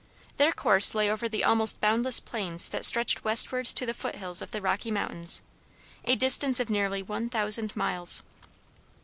Their course lay over the almost boundless plains that stretch westward to the foothills of the Rocky Mountains, a distance of nearly one thousand miles.